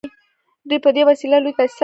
دوی په دې وسیله لوی تاسیسات جوړوي